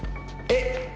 えっ？